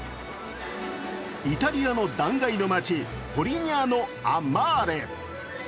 イタリアの断崖の街ポリニャーノ・ア・マーレ。